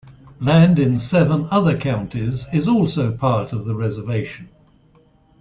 Land in seven other counties is also part of the reservation.